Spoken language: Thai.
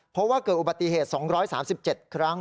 เพราะว่าเกิดอุบัติเหตุ๒๓๗ครั้ง